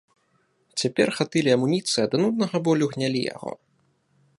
Цяпер хатыль і амуніцыя да нуднага болю гнялі яго.